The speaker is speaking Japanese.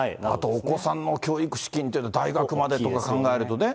お子さんの教育資金って、大学までとか考えるとね。